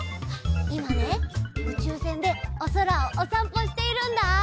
いまねうちゅうせんでおそらをおさんぽしているんだ。